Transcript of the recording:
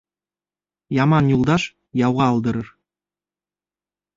Яман юлдаш яуға алдырыр.